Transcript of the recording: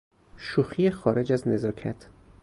شوخی خارج از نزاکت